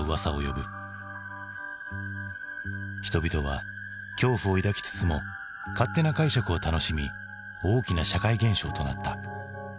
人々は恐怖を抱きつつも勝手な解釈を楽しみ大きな社会現象となった。